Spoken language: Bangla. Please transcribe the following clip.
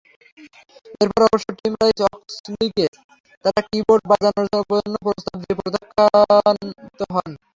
এরপর অবশ্য টিম রাইস অক্সলিকে তাঁরা কি-বোর্ড বাজানোর জন্য প্রস্তাব দিয়ে প্রত্যাখ্যাত হন।